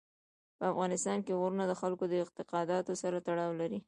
په افغانستان کې غرونه د خلکو د اعتقاداتو سره تړاو لري.